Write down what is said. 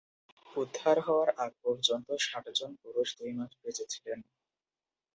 উদ্ধার হওয়ার আগ পর্যন্ত ষাট জন পুরুষ দুই মাস বেঁচে ছিলেন।